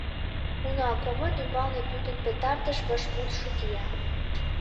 Уна, комод ӱмбалне тудын пытартыш вашмутшо кия.